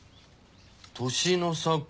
年の差婚？